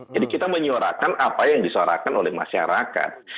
jadi kita menyuarakan apa yang disuarakan oleh masyarakat